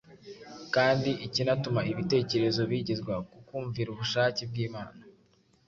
kandi ikanatuma ibitekerezo bigezwa ku kumvira ubushake bw’Imana,